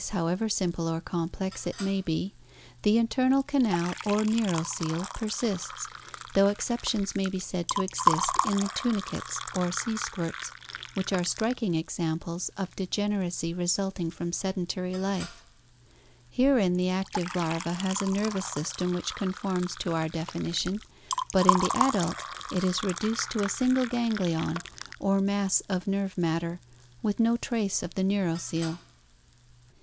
however simple or complex it may be, the internal canal or neuro ccele persists, though exceptions may be said to exist in the tuni cates or sea squirts, which are striking examples of degeneracy resulting from sedentary life (see page 472). Herein the active larva has a nervous system which conforms to our definition, but in the adult it is reduced to a single ganglion, or mass of nerve matter, with no trace of the neuroccele.